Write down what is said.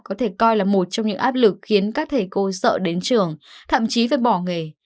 có thể coi là một trong những áp lực khiến các thầy cô sợ đến trường thậm chí phải bỏ nghề